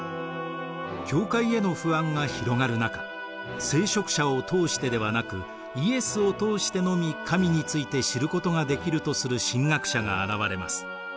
教会への不安が広がる中聖職者を通してではなくイエスを通してのみ神について知ることができるとする神学者が現れます。